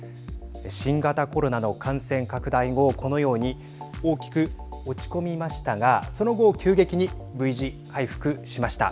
新型コロナの感染拡大後このように大きく落ち込みましたがその後急激にＶ字回復しました。